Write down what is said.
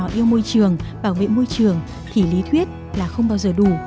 nếu trẻ nhỏ yêu môi trường bảo vệ môi trường thì lý thuyết là không bao giờ đủ